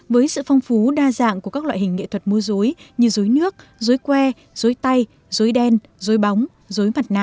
với sự phong phú đa dạng của các loại hình nghệ thuật mô dối như dối nước dối que dối tay dối đen dối bóng dối mặt nạ